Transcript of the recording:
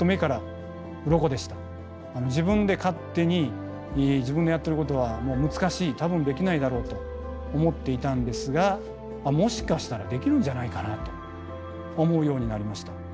自分で勝手に自分のやってることは難しい多分できないだろうと思っていたんですがもしかしたらできるんじゃないかなと思うようになりました。